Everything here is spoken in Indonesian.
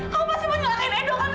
kamu pasti menyelakain ido kan